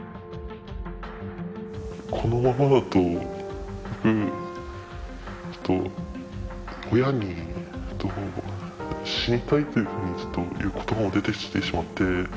このままだと僕ちょっと親に「死にたい」っていうふうに言う言葉も出てきてしまって。